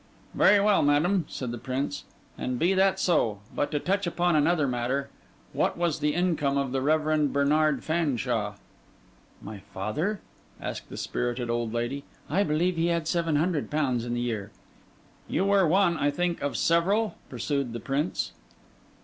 'Very well, madam,' said the Prince; 'and be that so! But to touch upon another matter: what was the income of the Reverend Bernard Fanshawe?' 'My father?' asked the spirited old lady. 'I believe he had seven hundred pounds in the year.' 'You were one, I think, of several?' pursued the Prince.